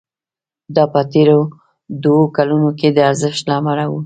دا په تېرو دوو کلونو کې د ارزښت له امله وو